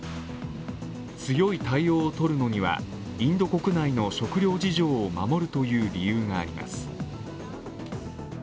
強い対応をとるのにはインド国内の食料事情を守るという理由があります。